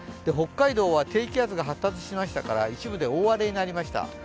北海道は低気圧が発達しましたから、一部で大荒れになりました。